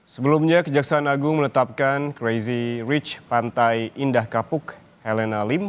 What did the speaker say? sebelumnya kejaksaan agung menetapkan crazy rich pantai indah kapuk elena lim